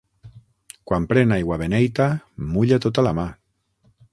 Quan pren aigua beneita, mulla tota la mà.